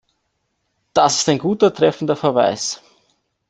Das ist ein guter, treffender Verweis.